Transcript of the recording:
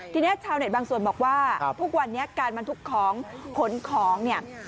ทีนี้ชาวเน็ตบางส่วนบอกว่าทุกวันนี้การบรรทุกของขนของเนี่ย